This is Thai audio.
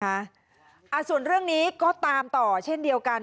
อ่าส่วนเรื่องนี้ก็ตามต่อเช่นเดียวกัน